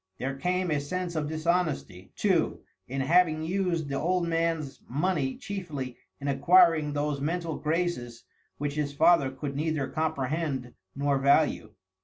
There came a sense of dishonesty, too, in having used the old man's money chiefly in acquiring those mental graces which his father could neither comprehend nor value.